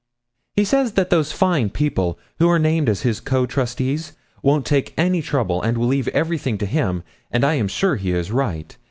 He says that those fine people, who are named as his co trustees, won't take any trouble, and will leave everything to him, and I am sure he is right.